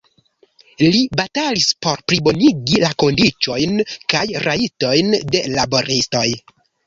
Li batalis por plibonigi la kondiĉojn kaj rajtojn de laboristoj.